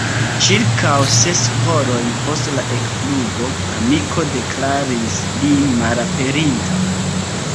Ĉirkaŭ ses horojn post la ekflugo amiko deklaris lin malaperinta.